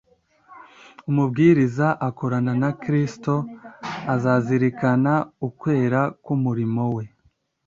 Umubwiriza ukorana na Kristo azazirikana ukwera k’umurimo we,